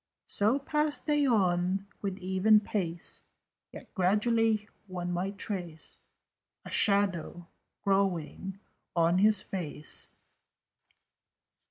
So passed they on with even pace: Yet gradually one might trace A shadow growing on his face.